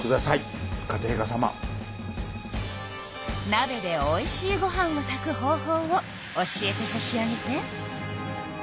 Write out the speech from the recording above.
なべでおいしいご飯を炊く方法を教えてさしあげて。